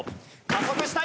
加速した！